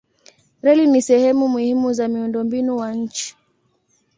Reli ni sehemu muhimu za miundombinu wa nchi.